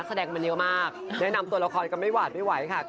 เขาเป็นสายฮานนะคะ